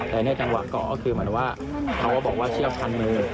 แต่ในจังหวะขอก็คือมันว่าเขาบอกว่าเชือกพันมือ